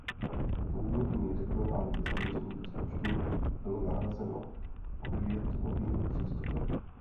Původní regionální zaměření rozpočtu bylo nahrazeno odvětvovým přístupem.